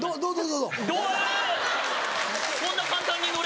どうぞ。